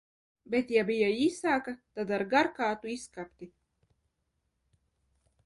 Bet ja bija īsāka, tad ar garkātu izkapti.